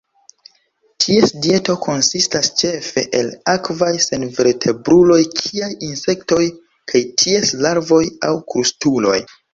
Ties dieto konsistas ĉefe el akvaj senvertebruloj kiaj insektoj kaj ties larvoj, aŭ krustuloj.